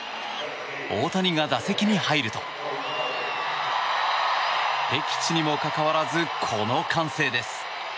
大谷が打席に入ると敵地にもかかわらずこの歓声です。